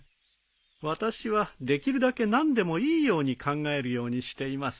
私はできるだけ何でもいいように考えるようにしています。